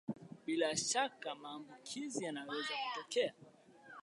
Bila shaka maambukizi yanaweza kutokea